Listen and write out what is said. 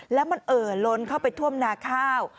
แล้วมันเอ่อล้นเข้าไปท่วมนาข้าว